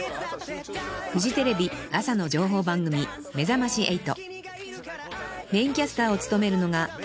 ［フジテレビ朝の情報番組『めざまし８』］